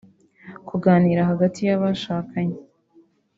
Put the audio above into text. kuganira hagati y’abashakanye